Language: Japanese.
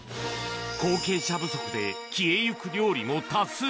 後継者不足で、消えゆく料理も多数。